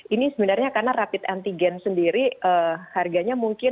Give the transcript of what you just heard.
ini sebenarnya karena rapid antigen sendiri harganya mungkin